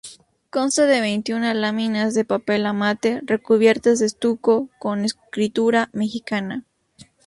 Consta de veintiuna láminas de papel amate, recubiertas de estuco, con escritura mexica.